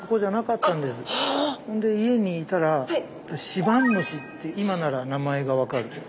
で家にいたらシバンムシって今なら名前が分かるけど。